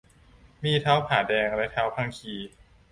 มีท้าวผาแดงและท้าวพังคี